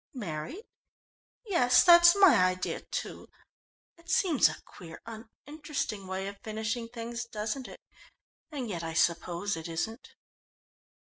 "Married? Yes, that's my idea, too. It seems a queer uninteresting way of finishing things, doesn't it, and yet I suppose it isn't."